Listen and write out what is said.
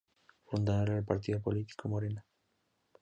Fundadora del partido político Morena.